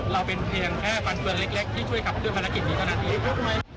เราเป็นเพียงแค่ฟันเฟืองเล็กที่ช่วยขับด้วยภารกิจนี้เท่านั้น